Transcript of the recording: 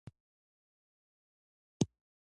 د افغانستان بانک مرکزي بانک دی